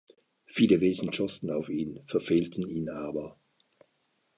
Viele Wesen schossen auf ihn, verfehlten ihn aber.